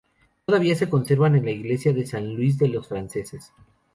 Todavía se conservan en la iglesia de San Luis de los Franceses.